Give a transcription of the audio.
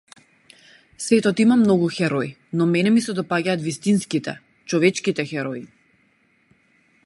Светот има многу херои, но мене ми се допаѓаат вистинските, човечките херои.